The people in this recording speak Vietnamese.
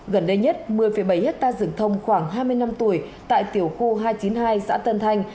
gần đây nhất một mươi bảy hectare rừng thông khoảng hai mươi năm tuổi tại tiểu khu hai trăm chín mươi hai xã tân thanh